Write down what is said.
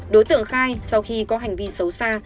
đối tượng khai sau khi có hành vi xấu xa